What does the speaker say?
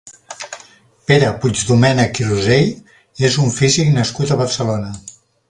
Pere Puigdomènech i Rosell és un físic nascut a Barcelona.